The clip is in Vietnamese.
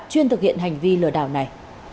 chuyên thực hiện hành vi lừa đảo này